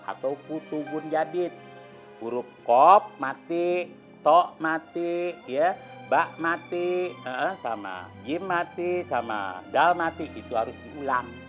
atau kutubun jadid huruf kop mati tok mati ya bak mati sama gimati sama dalmatik itu harus diulang